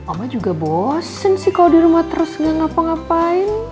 oma juga bosan sih kalo di rumah terus ga ngapa ngapain